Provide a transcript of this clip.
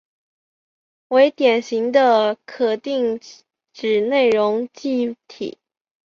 为典型的可定址内容记忆体。